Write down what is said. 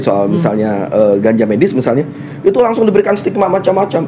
soal misalnya ganja medis misalnya itu langsung diberikan stigma macam macam